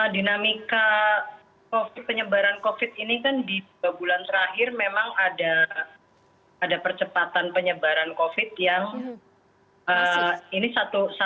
dinamika penyebaran covid ini kan di dua bulan terakhir memang ada percepatan penyebaran covid yang ini satu